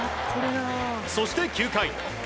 そして、９回。